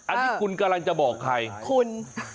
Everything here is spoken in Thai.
อันนี้คุณกำลังจะบอกใครคุณ